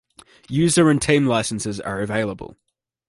User and team licenses are available.